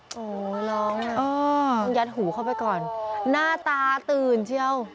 โอ้ยร้องนะยัดหูเข้าไปก่อนหน้าตาตื่นเฉียว